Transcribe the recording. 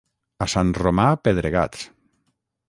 A Sant Romà, pedregats.